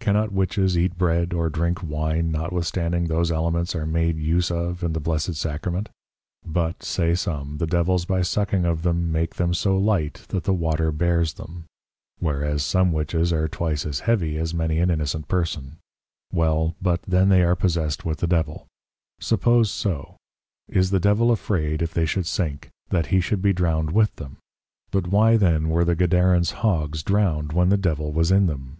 Cannot Witches eat Bread or drink Wine, notwithstanding those Elements are made use of in the Blessed Sacrament: But (say some) the Devils by sucking of them make them so light that the Water bears them; whereas some Witches are twice as heavy as many an innocent Person: Well, but then they are possessed with the Devil: Suppose so; Is the Devil afraid if they should sink, that he should be drowned with them? But why then were the Gadarens Hogs drowned when the Devil was in them.